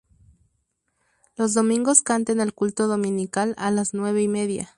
Los domingos canta en el culto dominical a las nueve y media.